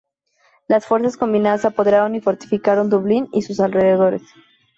Las fuerzas combinadas se apoderaron y fortificaron Dublín y sus alrededores.